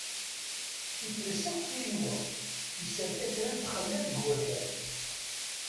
Ifres akk tiriwa, yesserka kra n txellal deg wakal.